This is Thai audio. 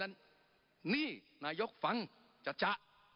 นี่นายกฟังจ๊ะ